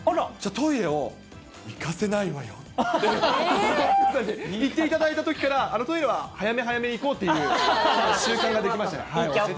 トイレを行かせないわよって、マツコさんに言っていただいたときから、トイレは早め早めに行こうっていう習慣ができました。